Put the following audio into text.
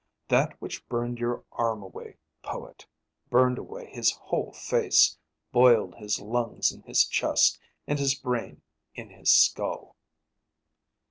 That which burned your arm away, poet, burned away his whole face, boiled his lungs in his chest and his brain in his skull."